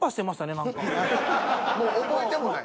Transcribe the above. もう覚えてもない。